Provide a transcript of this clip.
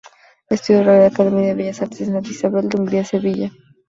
Estudió en la Real Academia de Bellas Artes de Santa Isabel de Hungría, Sevilla.